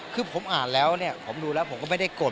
คือผมอ่านแล้วเนี่ยผมดูแล้วผมก็ไม่ได้กด